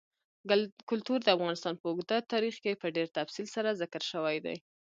کلتور د افغانستان په اوږده تاریخ کې په ډېر تفصیل سره ذکر شوی دی.